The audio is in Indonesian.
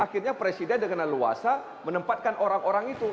kita dikenal luasa menempatkan orang orang itu